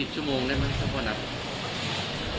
ชั่วโมงได้ไหมถ้าพ่อนับ